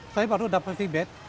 saya baru dapat ribet